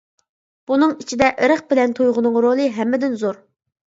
بۇنىڭ ئىچىدە ئىرق بىلەن تۇيغۇنىڭ رولى ھەممىدىن زور.